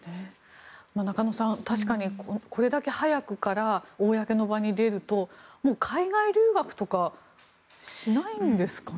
中野さん、確かにこれだけ早くから公の場に出ると海外留学とかしないんですかね。